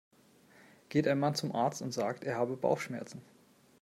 Geht ein Mann zum Arzt und sagt, er habe Bauchschmerzen.